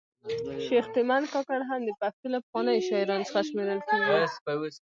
شیخ تیمن کاکړ هم د پښتو له پخوانیو شاعرانو څخه شمېرل کیږي